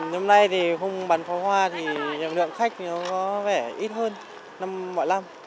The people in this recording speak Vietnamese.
năm nay thì không bắn pháo hoa thì lượng khách nó có vẻ ít hơn năm mọi năm